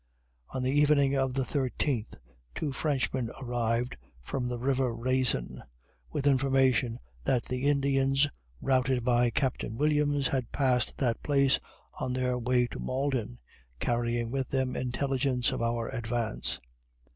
On the evening of the thirteenth, two Frenchmen arrived from the river Raisin with information that the Indians routed by Captain Williams had passed that place on their way to Malden, carrying with them intelligence of our advance.